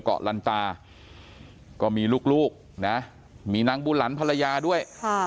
เกาะลันตาก็มีลูกนะมีนางบูหลันภรรยาด้วย